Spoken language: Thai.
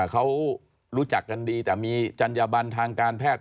เขารู้จักกันดีแต่มีจัญญบันทางการแพทย์